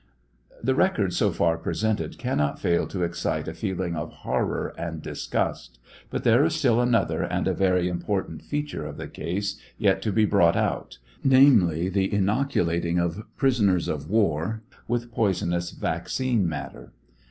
The record so far presented cannot fail to excite a feeling of horror and dis gust ; but there is still another and a very important feature of the case yet to be brought out, namely, the inoculating of prisoners of war with poisonous vac cine matter.